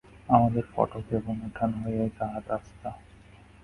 আমাদের ফটক এবং উঠান হইয়াই তাঁহার রাস্তা।